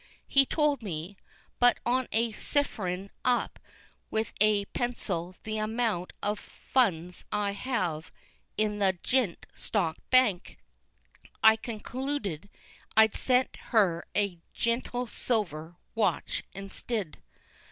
He told me, but on cypherin up with a pencil the amount of funs I have in the Jint Stock Bank, I conclooded I'd send her a genteel silver watch instid.